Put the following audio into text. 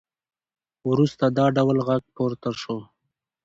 وروسته د ډول غږ پورته شو